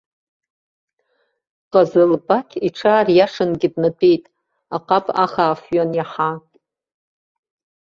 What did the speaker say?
Ҟазылбақь иҽаариашангьы днатәеит, аҟаб ахаафҩы аниаҳа.